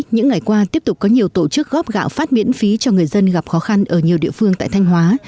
những ngày qua tiếp tục có nhiều tổ chức góp gạo phát miễn phí cho người dân gặp khó khăn ở nhiều địa phương tại thanh hóa